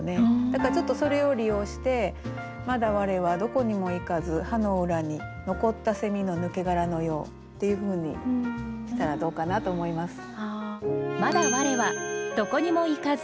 だからちょっとそれを利用して「まだ我はどこにも行かず葉の裏に残った蝉の抜け殻のよう」っていうふうにしたらどうかなと思います。